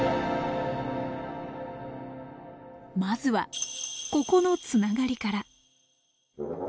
まずはここのつながりから。